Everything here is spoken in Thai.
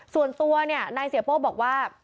ส่วนตัวเนี่ยนายเสียโป้บอกว่า